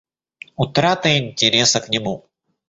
Утрата интереса к нему.